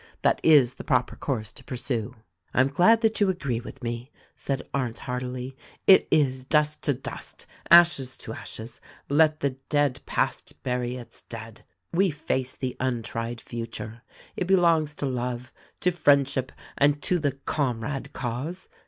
That is the proper course to pur sue." "I am glad that you agree with me," said Arndt heartily, "It is Dust to Dust ! Ashes to Ashes ! Let the dead past bury its dead. We face the untried future. It belongs to Love, to Friendship, and to the Comrade cause.